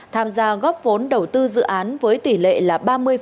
tham gia góp vốn đầu tư dự án với tỷ lệ là ba mươi